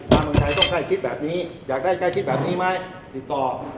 เมืองไทยต้องใกล้ชิดแบบนี้อยากได้ใกล้ชิดแบบนี้ไหมติดต่อ